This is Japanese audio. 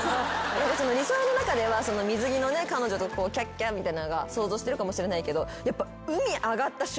理想の中では水着の彼女とキャッキャみたいなのが想像してるかもしれないけどやっぱ。